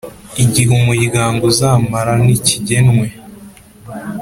Igihe umuryango uzamara ntikigenwe